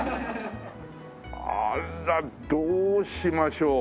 あらどうしましょう。